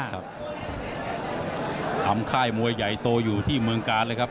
ทำค่ายมวยใหญ่โตอยู่ที่เมืองกาลเลยครับ